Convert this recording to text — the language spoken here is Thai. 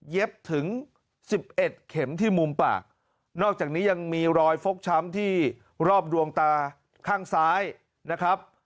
ถึง๑๑เข็มที่มุมปากนอกจากนี้ยังมีรอยฟกช้ำที่รอบดวงตาข้างซ้ายนะครับ